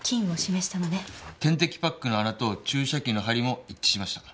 点滴パックの穴と注射器の針も一致しました。